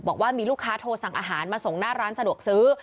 บอกว่ามีลูกค้าโทรสั่งอาหารมาส่งหน้าร้านสะดวกซื้อ